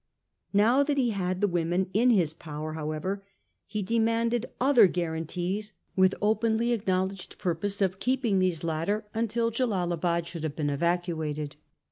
Now that he had the women in his power, however, he demanded other guarantees with openly acknowledged purpose of keeping these latter until Jellalabad should have been evacuated.